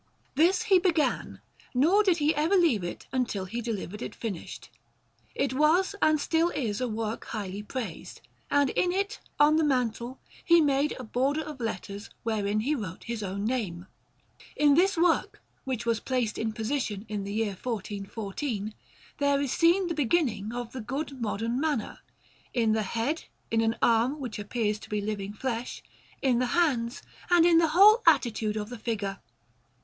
This he began, nor did he ever leave it until he delivered it finished. It was and still is a work highly praised, and in it, on the mantle, he made a border of letters, wherein he wrote his own name. In this work, which was placed in position in the year 1414, there is seen the beginning of the good modern manner, in the head, in an arm which appears to be living flesh, in the hands, and in the whole attitude of the figure.